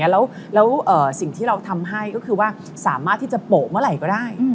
แล้วสิ่งที่เราทำให้ก็คือว่าสามารถที่จะโปะเมื่อไหร่ก็ได้